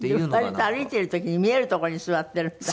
割と歩いてる時に見えるとこに座ってるんだって？